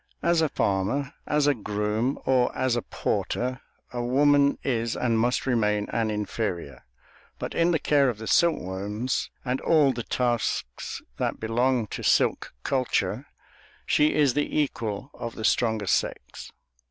As a farmer, as a groom, or as a porter, a woman is and must remain an inferior, but in the care of the silkworms, and all the tasks that belong to silk culture, she is the equal of the stronger sex.